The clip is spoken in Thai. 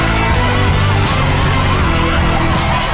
แม่ทำเอกสาย